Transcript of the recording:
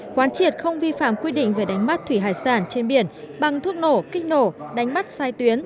quán triệt không vi phạm quy định về đánh mắt thủy hải sản trên biển bằng thuốc nổ kích nổ đánh mắt sai tuyến